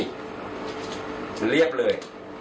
มันเรียบเลย